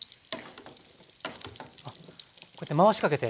あっこうやって回しかけて。